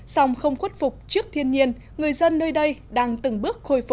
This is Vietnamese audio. sòng không khuất phục trước thiên nhiên người dân nơi đây đang từng bước khôi phục